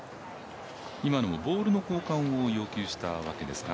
今のもボールの交換を要求したわけですか。